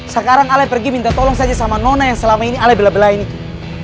sekarang ale pergi minta tolong saja sama nona yang selama ini ale bela belain itu